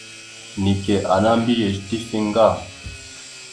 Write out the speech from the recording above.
Neke ana mbiyez tife ŋga.